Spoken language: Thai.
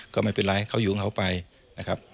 ก็ไม่เป็นไรเขาอยู่ของเขาไปนะครับ